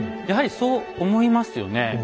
やはりそう思いますよね。